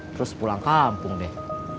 terus pulang kampung deh